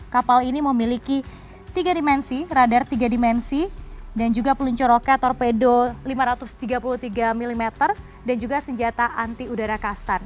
kapal ini memiliki tiga dimensi radar tiga dimensi dan juga peluncur roket torpedo lima ratus tiga puluh tiga mm dan juga senjata anti udara kastan